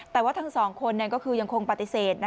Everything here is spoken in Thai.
แต่ว่าทั้งสองคนก็คือยังคงปฏิเสธ